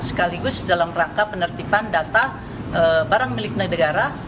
sekaligus dalam rangka penertiban data barang milik negara